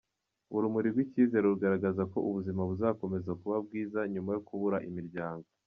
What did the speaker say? Urumuri rw'icyizere rugaragaza ko ubuzima buzakomeza kuba bwiza nyuma yo kubura imiryango.